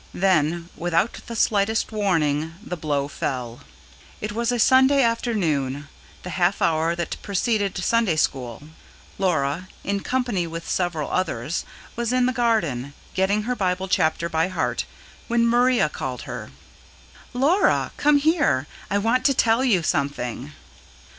Then, without the slightest warning, the blow fell. It was a Sunday afternoon; the half hour that preceded Sunday school. Laura, in company with several others, was in the garden, getting her Bible chapter by heart, when Maria called her. "Laura! Come here. I want to tell you something."